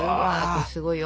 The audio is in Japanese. すごいよ。